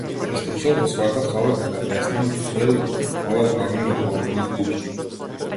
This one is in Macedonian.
Истрчал во својата соба каде беснеел, пцуел и ковал планови да побегне од куќата.